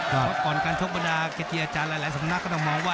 เพราะก่อนการชกบรรดาเกจีอาจารย์หลายสำนักก็ต้องมองว่า